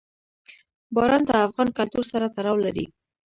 باران د افغان کلتور سره تړاو لري.